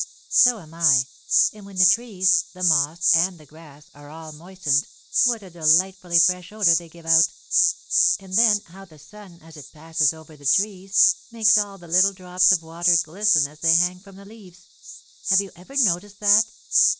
"So am I; and when the trees, the moss, and the grass, are all moistened, what a delightfully fresh odour they give out! And then, how the sun, as it passes over the trees, makes all the little drops of water glisten as they hang from the leaves! Have you ever noticed that?"